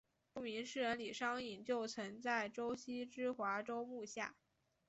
著名诗人李商隐就曾在周墀之华州幕下。